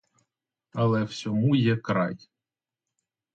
Але всьому є край.